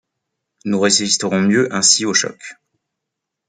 Nous résisterons mieux ainsi au choc.